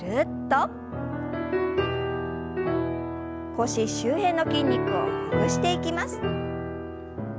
腰周辺の筋肉をほぐしていきます。